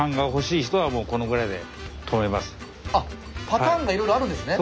パターンがいろいろあるんですね。